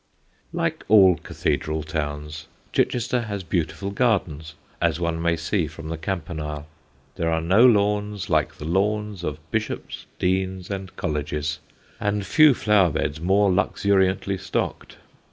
Like all cathedral towns Chichester has beautiful gardens, as one may see from the campanile. There are no lawns like the lawns of Bishops, Deans, and Colleges; and few flower beds more luxuriantly stocked.